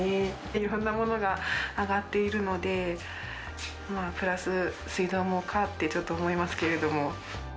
いろんなものが上がっているので、プラス水道もかって、ちょっと思いますけれども。